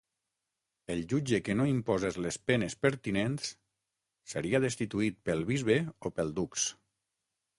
El jutge que no imposés les penes pertinents seria destituït pel bisbe o pel dux.